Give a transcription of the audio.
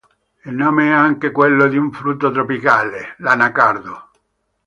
Il nome e anche quello di un frutto tropicale: l'anacardo.